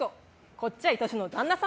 こっちは愛しの旦那様。